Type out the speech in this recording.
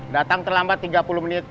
datang terlambat tiga puluh menit